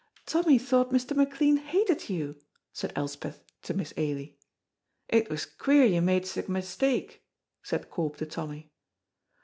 "Tommy thought Mr. McLean hated you!" said Elspeth to Miss Ailie. "It was queer you made sic a mistake!" said Corp to Tommy.